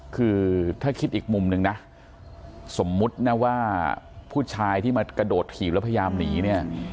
คือถ้าคิดอีกมุมนึงนะสมมุตินะว่าผู้ชายที่มากระโดดถีบแล้วพยายามหนีเนี่ย